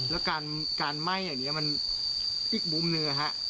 แล้วการไหม้อย่างนี้มันอีกมุมหนึ่ง